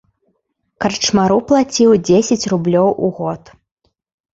Карчмару плаціў дзесяць рублёў у год.